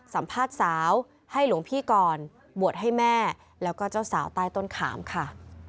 สัมภาษณ์สาวให้หลวงพี่ก่อนบวชให้แม่แล้วก็เจ้าสาวใต้ต้นขามค่ะ